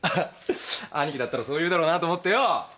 兄貴だったらそう言うだろうなと思ってよ。